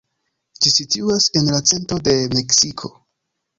Ĝi situas en la centro de Meksiko.